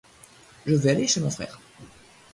Je vais aller chez mon frère.